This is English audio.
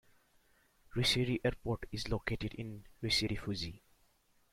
Rishiri Airport is located in Rishirifuji.